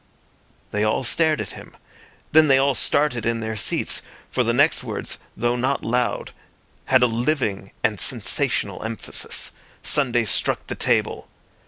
They all stared at him; then they all started in their seats, for the next words, though not loud, had a living and sensational emphasis. Sunday struck the table.